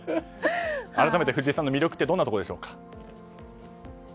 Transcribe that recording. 改めて、藤井さんの魅力はどんなところでしょうか？